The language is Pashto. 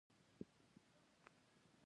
د کاشي کارۍ تقاضا ډیره ده